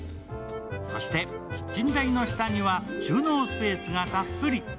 そして、キッチン台の下には収納スペースがたっぷり。